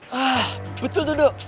hah betul tuh dodo